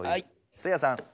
せいやさん。